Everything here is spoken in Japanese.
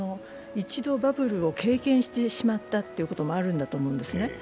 一度バブルを経験してしまったということもあると思うんですね。